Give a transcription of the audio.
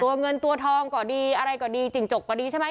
เงินตัวทองก็ดีอะไรก็ดีจิ่งจกก็ดีใช่ไหม